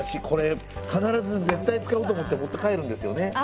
これ必ず絶対使うと思って持って帰るんですよね。